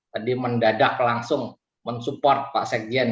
tadi mendadak langsung mensupport pak sekjen